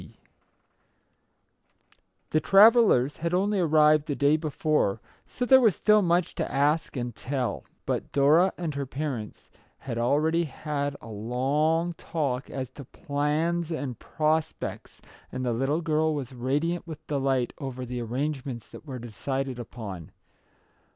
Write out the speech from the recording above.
C. The travellers had only arrived the day before, so there was still much to ask and tell ; Our Little Canadian Cousin 127 but Dora and her parents had already had a long talk as to plans and prospects, and the little girl was radiant with delight over the arrangements that were decided upon.